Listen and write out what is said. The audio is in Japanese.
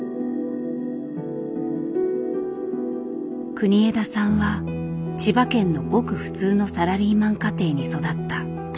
国枝さんは千葉県のごく普通のサラリーマン家庭に育った。